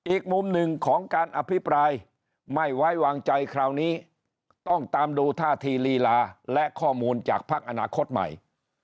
อีกมุมหนึ่งของการอภิปรายไม่ไว้วางใจคราวนี้ต้องตามดูท่าทีลีลาและข้อมูลจากพักอนาคตใหม่